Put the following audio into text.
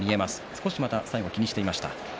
少しまた最後気にしていました。